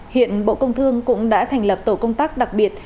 hiện bộ công thương cũng đã thành lập tổ công tác đặc biệt